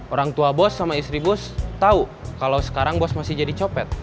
orang tua bos sama istri bos tahu kalau sekarang bos masih jadi copet